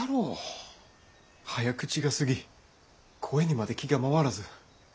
早口がすぎ声にまで気が回らず。